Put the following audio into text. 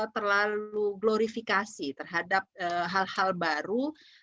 terlalu glorifikasi terhadap hal hal baru